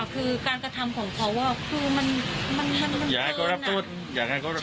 เพราะว่าผู้ตายยังมีพละคือต้องโหมด